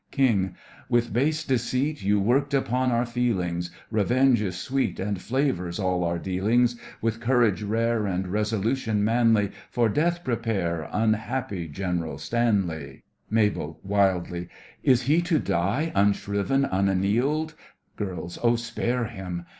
KING: With base deceit You worked upon our feelings! Revenge is sweet, And flavours all our dealings! With courage rare And resolution manly, For death prepare, Unhappy Gen'ral Stanley. MABEL: (wildly) Is he to die, unshriven, unannealed? GIRLS: Oh, spare him!